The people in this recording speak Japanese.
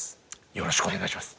よろしくお願いします。